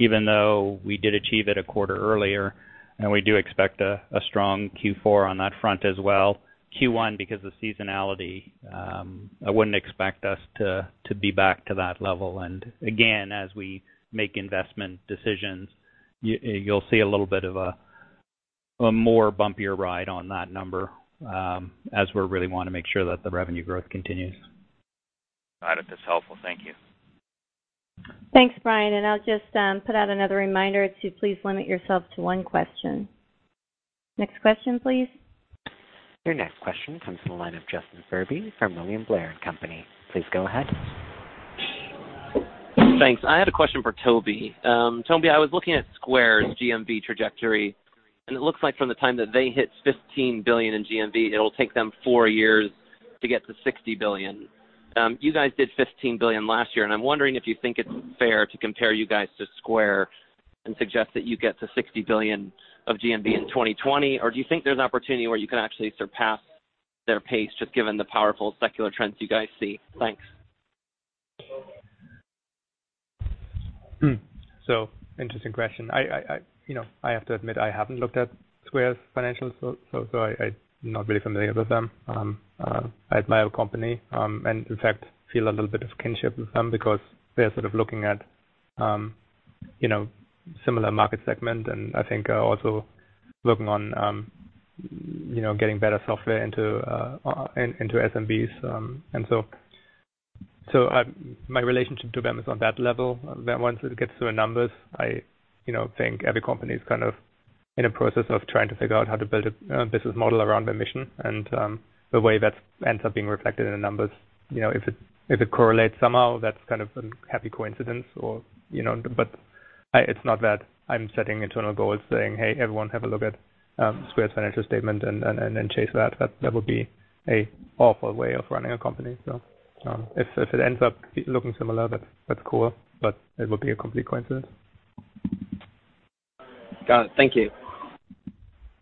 Even though we did achieve it a quarter earlier, and we do expect a strong Q4 on that front as well. Q1, because of seasonality, I wouldn't expect us to be back to that level. Again, as we make investment decisions, you'll see a little bit of a more bumpier ride on that number, as we really wanna make sure that the revenue growth continues.
Got it. That's helpful. Thank you.
Thanks, Brian. I'll just put out another reminder to please limit yourself to one question. Next question, please.
Your next question comes from the line of Justin Furby from William Blair Company. Please go ahead.
Thanks. I had a question for Tobi. Tobi, I was looking at Square's GMV trajectory, and it looks like from the time that they hit $15 billion in GMV, it'll take them four years to get to $60 billion. You guys did $15 billion last year, and I'm wondering if you think it's fair to compare you guys to Square and suggest that you get to $60 billion of GMV in 2020? Do you think there's opportunity where you can actually surpass their pace, just given the powerful secular trends you guys see? Thanks.
Interesting question. I, you know, I have to admit, I haven't looked at Square's financials, so I'm not very familiar with them. I admire your company, and in fact feel a little bit of kinship with them because they're sort of looking at, you know, similar market segment and I think are also working on, you know, getting better software into SMBs. My relationship to them is on that level, that once it gets to the numbers, I, you know, think every company is kind of in a process of trying to figure out how to build a business model around their mission. The way that ends up being reflected in the numbers, you know, if it correlates somehow, that's kind of a happy coincidence or, you know. It's not that I'm setting internal goals saying, "Hey, everyone, have a look at Square's financial statement and chase that." That would be a awful way of running a company. If it ends up looking similar, that's cool, but it would be a complete coincidence.
Got it. Thank you.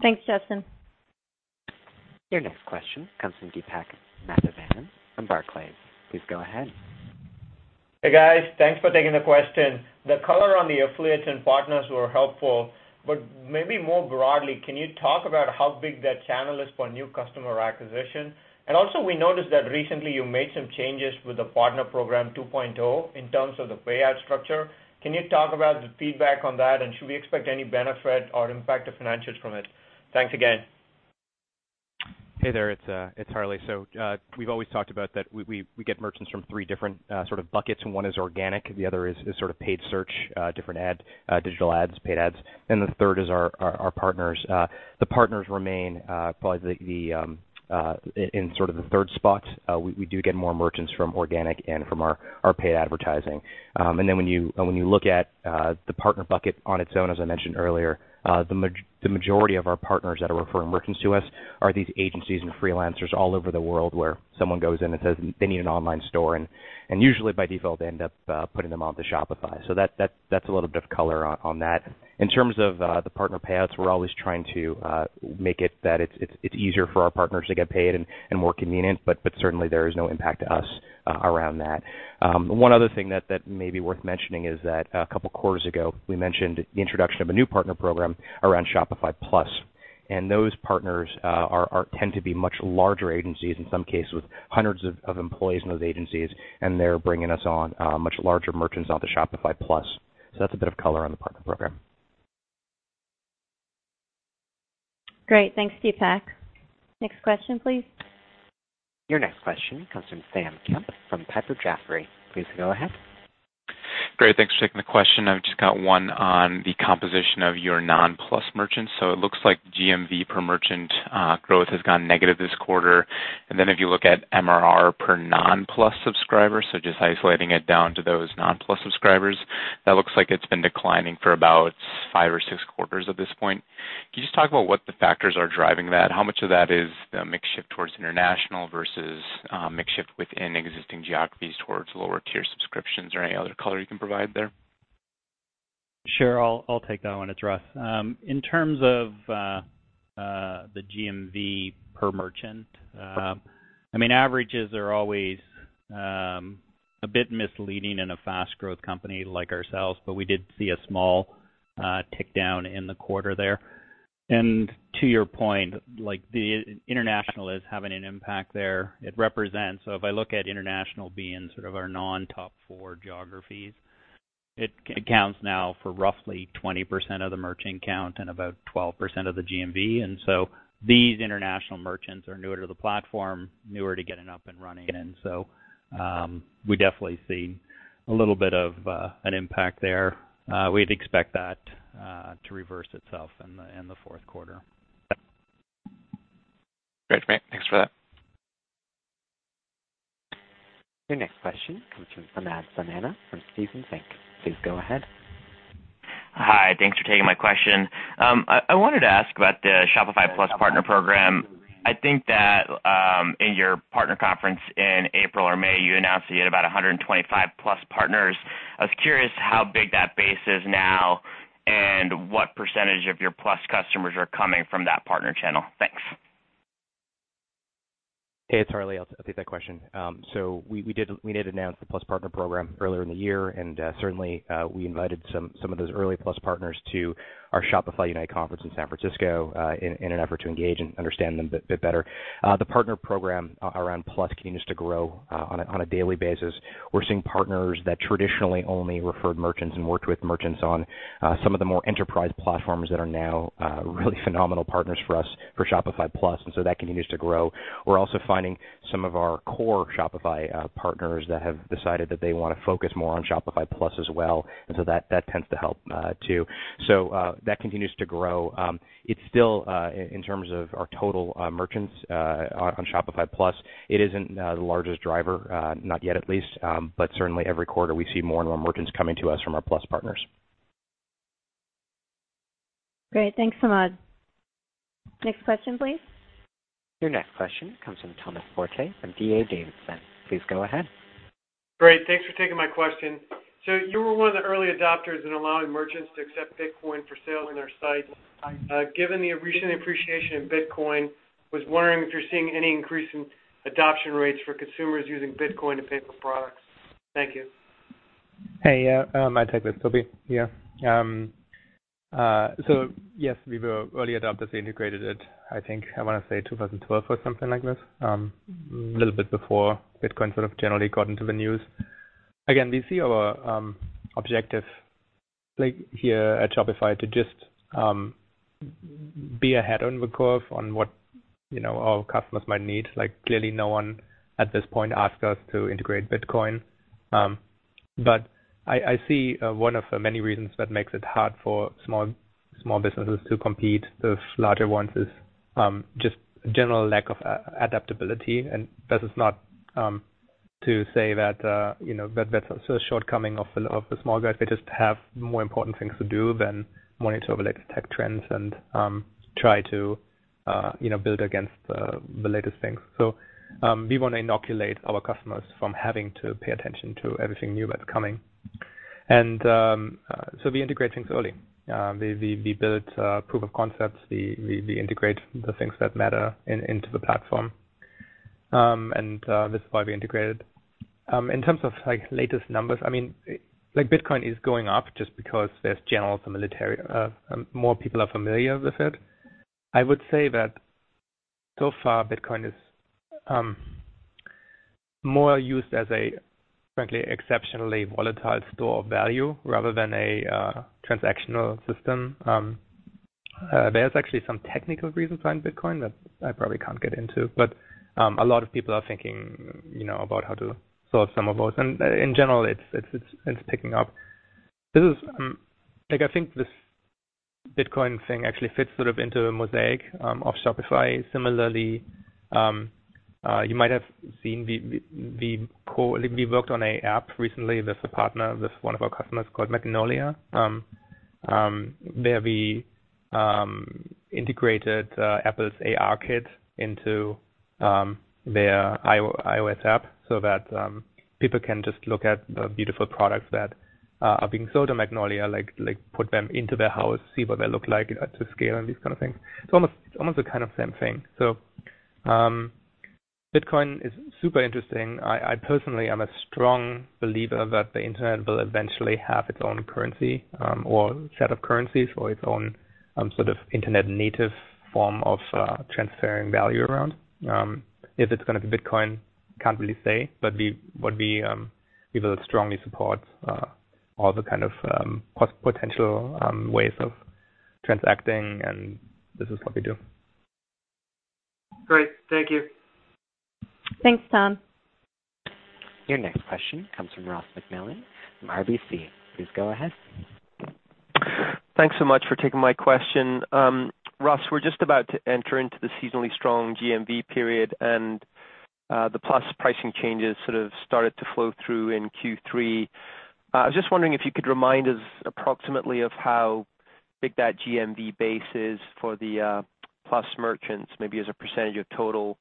Thanks, Justin.
Your next question comes from Deepak Mathivanan from Barclays. Please go ahead.
Hey, guys. Thanks for taking the question. The color on the affiliates and partners were helpful, but maybe more broadly, can you talk about how big that channel is for new customer acquisition? Also, we noticed that recently you made some changes with the partner Program 2.0 in terms of the payout structure. Can you talk about the feedback on that? Should we expect any benefit or impact to financials from it? Thanks again.
Hey there. It's Harley. We've always talked about that we get merchants from three different sort of buckets, and one is organic, the other is sort of paid search, different ad, digital ads, paid ads, and the third is our partners. The partners remain probably the in sort of the third spot. We do get more merchants from organic and from our paid advertising. When you, when you look at the partner bucket on its own, as I mentioned earlier, the majority of our partners that are referring merchants to us are these agencies and freelancers all over the world where someone goes in and says they need an online store, and usually by default end up putting them onto Shopify. That's a little bit of color on that. In terms of the partner payouts, we're always trying to make it that it's easier for our partners to get paid and more convenient, but certainly there is no impact to us around that. One other thing that may be worth mentioning is that a couple quarters ago we mentioned the introduction of a new partner program around Shopify Plus, and those partners are tend to be much larger agencies, in some cases with hundreds of employees in those agencies, and they're bringing us on much larger merchants onto Shopify Plus. That's a bit of color on the partner program.
Great. Thanks, Deepak. Next question, please.
Your next question comes from Sam Kemp from Piper Jaffray. Please go ahead.
Great. Thanks for taking the question. I've just got one on the composition of your non-Plus merchants. It looks like GMV per merchant growth has gone negative this quarter. If you look at MRR per non-Plus subscriber, so just isolating it down to those non-Plus subscribers, that looks like it's been declining for about five or six quarters at this point. Can you just talk about what the factors are driving that? How much of that is the mix shift towards international versus mix shift within existing geographies towards lower tier subscriptions or any other color you can provide there?
Sure. I'll take that one. It's Russ. In terms of the GMV per merchant, I mean, averages are always a bit misleading in a fast growth company like ourselves, but we did see a small tick down in the quarter there. To your point, like, the international is having an impact there. It represents, so if I look at international being sort of our non-top four geographies, it accounts now for roughly 20% of the merchant count and about 12% of the GMV. So these international merchants are newer to the platform, newer to getting up and running. So we definitely see a little bit of an impact there. We'd expect that to reverse itself in the fourth quarter.
Great. Thanks for that.
Your next question comes from Samad Samana from Stephens Inc. Please go ahead.
Hi. Thanks for taking my question. I wanted to ask about the Shopify Plus partner program. I think that, in your partner conference in April or May, you announced that you had about 125 Plus partners. I was curious how big that base is now and what percentage of your Plus customers are coming from that partner channel. Thanks.
Hey, it's Harley. I'll take that question. We did announce the Plus partner program earlier in the year, and certainly, we invited some of those early Plus partners to our Shopify Unite conference in San Francisco in an effort to engage and understand them a bit better. The partner program around Plus continues to grow on a daily basis. We're seeing partners that traditionally only referred merchants and worked with merchants on some of the more enterprise platforms that are now really phenomenal partners for us for Shopify Plus, that continues to grow. We're also finding some of our core Shopify partners that have decided that they wanna focus more on Shopify Plus as well. That tends to help too. That continues to grow. It's still in terms of our total merchants on Shopify Plus, it isn't the largest driver, not yet at least. Certainly every quarter we see more and more merchants coming to us from our Plus partners.
Great. Thanks, Samad. Next question, please.
Your next question comes from Thomas Forte from D.A. Davidson. Please go ahead.
Great. Thanks for taking my question. You were one of the early adopters in allowing merchants to accept Bitcoin for sale on their sites. Given the recent appreciation of Bitcoin, I was wondering if you're seeing any increase in adoption rates for consumers using Bitcoin to pay for products. Thank you.
Hey, yeah, I'll take this. Tobi here. Yes, we were early adopters. We integrated it, I think, I wanna say 2012 or something like this, little bit before Bitcoin sort of generally got into the news. Again, we see our objective, like, here at Shopify to just be ahead on the curve on what, you know, our customers might need. Like, clearly no one at this point asked us to integrate Bitcoin. I see one of the many reasons that makes it hard for small businesses to compete with larger ones is just general lack of adaptability. This is not to say that, you know, that that's a shortcoming of the, of the small guys. They just have more important things to do than wanting to overlay tech trends and, you know, build against the latest things. We wanna inoculate our customers from having to pay attention to everything new that's coming. We integrate things early. We build proof of concepts. We integrate the things that matter into the platform. This is why we integrated. In terms of, like, latest numbers, I mean, like, Bitcoin is going up just because there's general familiarity. More people are familiar with it. I would say that so far Bitcoin is more used as a, frankly, exceptionally volatile store of value rather than a transactional system. There's actually some technical reasons behind Bitcoin that I probably can't get into, but a lot of people are thinking, you know, about how to solve some of those. In general, it's picking up. This is Like, I think this Bitcoin thing actually fits sort of into the mosaic of Shopify. Similarly, you might have seen We worked on a app recently with a partner with one of our customers called Magnolia. Where we integrated Apple's ARKit into their iOS app so that people can just look at the beautiful products that are being sold on Magnolia, like put them into their house, see what they look like to scale and these kind of things. It's almost the kind of same thing. Bitcoin is super interesting. I personally am a strong believer that the internet will eventually have its own currency, or set of currencies or its own, sort of internet native form of transferring value around. If it's gonna be Bitcoin, can't really say, but we would be, we will strongly support all the kind of potential ways of transacting, and this is what we do.
Great. Thank you.
Thanks, Tom.
Your next question comes from Ross MacMillan from RBC. Please go ahead.
Thanks so much for taking my question. Russ, we're just about to enter into the seasonally strong GMV period, the Plus pricing changes sort of started to flow through in Q3. I was just wondering if you could remind us approximately of how big that GMV base is for the Plus merchants, maybe as a percentage of total.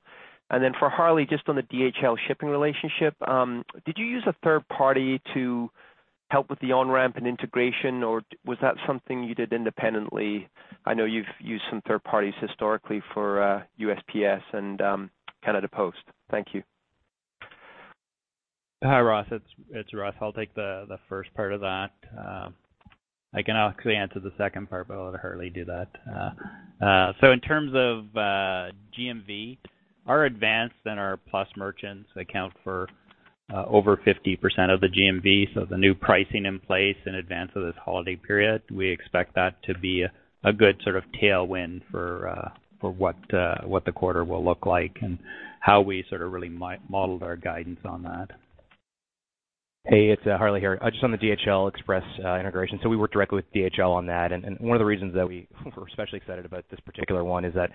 For Harley, just on the DHL shipping relationship, did you use a third party to help with the on-ramp and integration, or was that something you did independently? I know you've used some third parties historically for USPS and Canada Post. Thank you.
Hi, Ross. It's Russ. I'll take the first part of that. I can actually answer the second part, but I'll let Harley do that. In terms of GMV, our advanced and our Plus merchants account for over 50% of the GMV. The new pricing in place in advance of this holiday period, we expect that to be a good sort of tailwind for what the quarter will look like and how we sort of really modeled our guidance on that.
Hey, it's Harley here. Just on the DHL Express integration, we worked directly with DHL on that. One of the reasons that we were especially excited about this particular one is that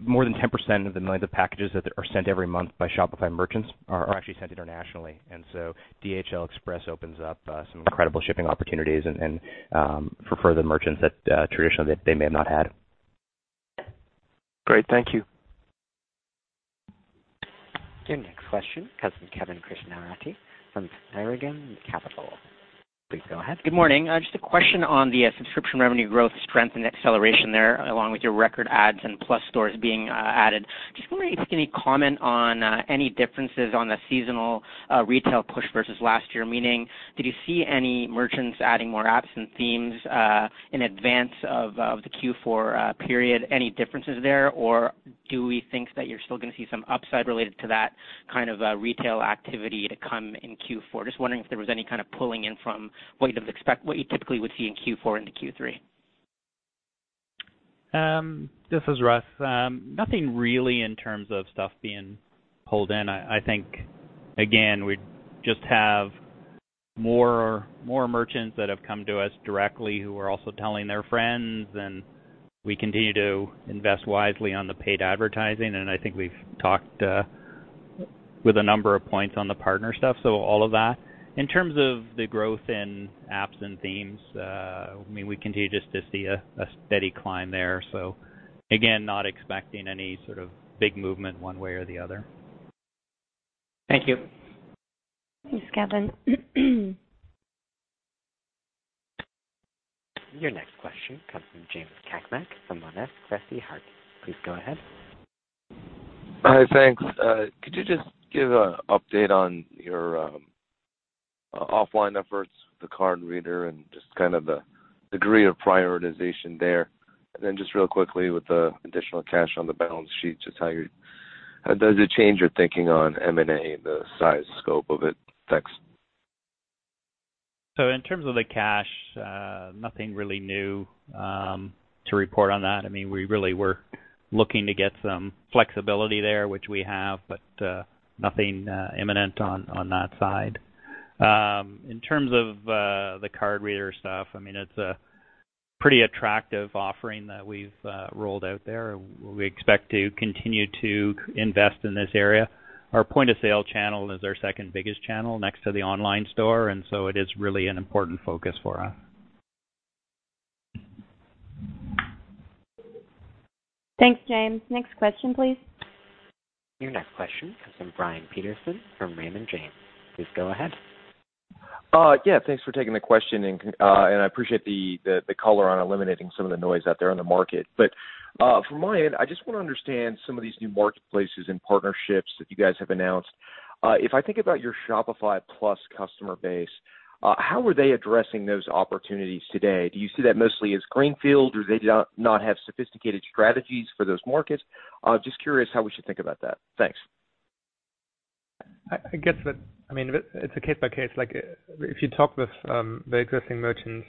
more than 10% of the millions of packages that are sent every month by Shopify merchants are actually sent internationally. DHL Express opens up some incredible shipping opportunities and for the merchants that traditionally they may have not had.
Great. Thank you.
Your next question comes from Kevin Krishnaratne from Paradigm Capital. Please go ahead.
Good morning. Just a question on the subscription revenue growth strength and acceleration there, along with your record adds and Plus stores being added. Just wondering if you can comment on any differences on the seasonal retail push versus last year, meaning did you see any merchants adding more apps and themes in advance of the Q4 period? Any differences there, or do we think that you're still gonna see some upside related to that kind of retail activity to come in Q4? Just wondering if there was any kind of pulling in from what you typically would see in Q4 into Q3.
This is Russ. Nothing really in terms of stuff being pulled in. I think, again, we just have more merchants that have come to us directly who are also telling their friends. We continue to invest wisely on the paid advertising. I think we've talked with a number of points on the partner stuff, so all of that. In terms of the growth in apps and themes, I mean, we continue just to see a steady climb there. Again, not expecting any sort of big movement one way or the other.
Thank you.
Thanks, Kevin.
Your next question comes from James Cakmak from Monness, Crespi, Hardt. Please go ahead.
Hi. Thanks. Could you just give an update on your offline efforts with the card reader and just kind of the degree of prioritization there? Just real quickly with the additional cash on the balance sheet, just how does it change your thinking on M&A and the size scope of it? Thanks.
In terms of the cash, nothing really new to report on that. I mean, we really were looking to get some flexibility there, which we have, but nothing imminent on that side. In terms of the card reader stuff, I mean, it's a pretty attractive offering that we've rolled out there. We expect to continue to invest in this area. Our point-of-sale channel is our second biggest channel next to the online store, and so it is really an important focus for us.
Thanks, James. Next question, please.
Your next question comes from Brian Peterson from Raymond James. Please go ahead.
Yeah, thanks for taking the question. I appreciate the color on eliminating some of the noise out there on the market. From my end, I just wanna understand some of these new marketplaces and partnerships that you guys have announced. If I think about your Shopify Plus customer base, how are they addressing those opportunities today? Do you see that mostly as greenfield or they do not have sophisticated strategies for those markets? Just curious how we should think about that. Thanks.
I guess that, I mean, it's a case by case. If you talk with the existing merchants,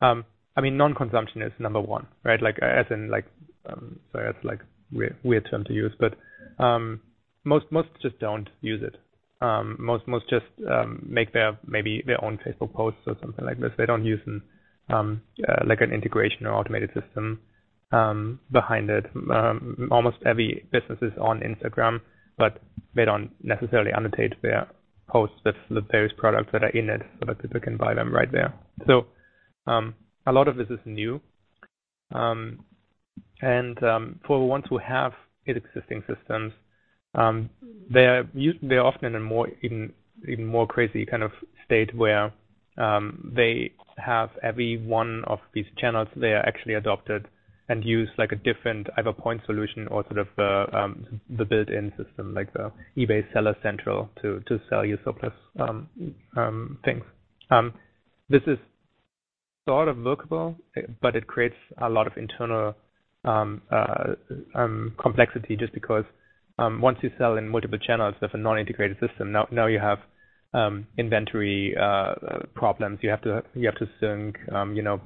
I mean, non-consumption is number one, right? As in like, sorry, that's like a weird term to use, but most just don't use it. Most just make their, maybe their own Facebook posts or something like this. They don't use like an integration or automated system behind it. Almost every business is on Instagram, but they don't necessarily annotate their posts with the various products that are in it so that people can buy them right there. A lot of this is new. For the ones who have existing systems, they're often in a more, even more crazy kind of state where they have every one of these channels they are actually adopted and use like a different either point solution or sort of the built-in system like the eBay Seller Hub to sell your surplus things. This is sort of workable, but it creates a lot of internal complexity just because once you sell in multiple channels with a non-integrated system now you have inventory problems. You have to, you have to sync, you know.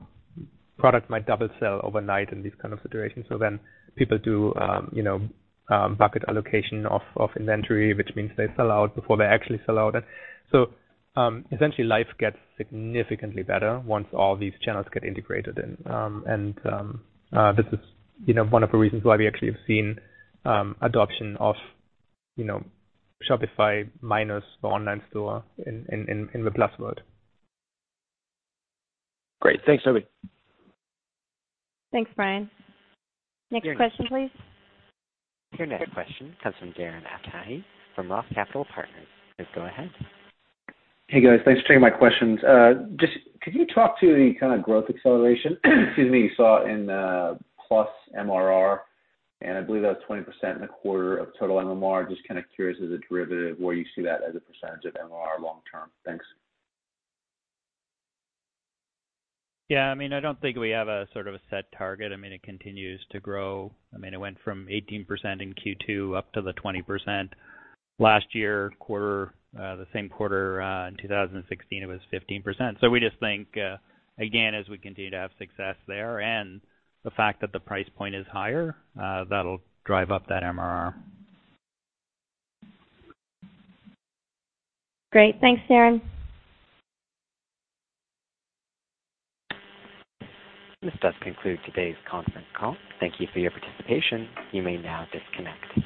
Product might double sell overnight in these kind of situations. Then people do, you know, bucket allocation of inventory, which means they sell out before they actually sell out. Essentially, life gets significantly better once all these channels get integrated in. This is, you know, one of the reasons why we actually have seen adoption of, you know, Shopify minus the online store in the Plus world.
Great. Thanks, Tobi.
Thanks, Brian. Next question, please.
Your next question comes from Darren Aftahi from Roth Capital Partners. Please go ahead.
Hey, guys. Thanks for taking my questions. Just could you talk to the kinda growth acceleration, excuse me, you saw in Plus MRR? I believe that was 20% in the quarter of total MRR. Just kinda curious as a derivative where you see that as a percentage of MRR long term. Thanks.
Yeah, I mean, I don't think we have a sort of a set target. I mean, it continues to grow. I mean, it went from 18% in Q2 up to the 20%. Last year quarter, the same quarter, in 2016, it was 15%. We just think, again, as we continue to have success there and the fact that the price point is higher, that'll drive up that MRR.
Great. Thanks, Darren.
This does conclude today's conference call. Thank you for your participation. You may now disconnect.